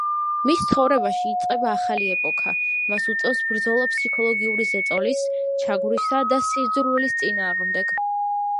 მის ცხოვრებაში იწყება ახალი ეპოქა: მას უწევს ბრძოლა ფსიქოლოგიური ზეწოლის, ჩაგვრისა და სიძულვილის წინააღმდეგ.